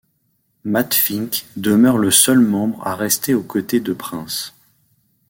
Matt Fink demeure le seul membre à rester au côté de Prince.